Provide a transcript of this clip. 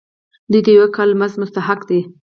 دوی د یو کال مزد مستحق دي.